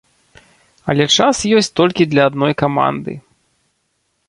Але час ёсць толькі для адной каманды.